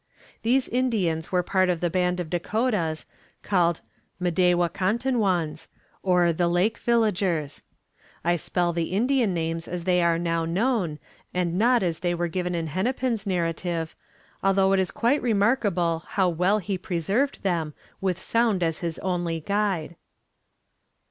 These Indians were part of the band of Dakotas, called M'day wa kon ton wans, or the Lake Villagers. I spell the Indian names as they are now known, and not as they are given in Hennepin's narrative, although it is quite remarkable how well he preserved them with sound as his only guide.